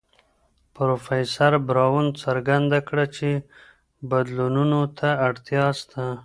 پروفيسر براون څرګنده کړه چی بدلونونو ته اړتيا سته.